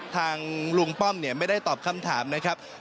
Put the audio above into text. ทางลุงป้อมไม่ได้ตอบคำถามนะครับ